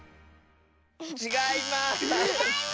ちがいます！